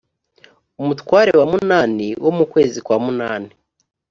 umutware wa munani wo mu kwezi kwa munani